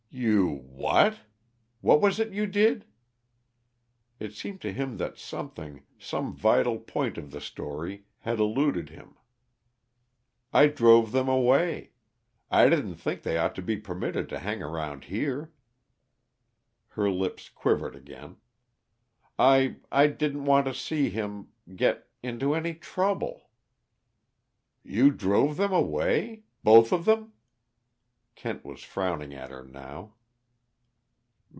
"You what? What was it you did?" It seemed to him that something some vital point of the story had eluded him. "I drove them away. I didn't think they ought to be permitted to hang around here." Her lips quivered again. "I I didn't want to see him get into any trouble." "You drove them away? Both of them?" Kent was frowning at her now.